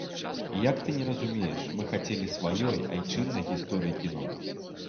Як ты не разумееш, мы хацелі сваёй, айчыннай гісторыі кіно!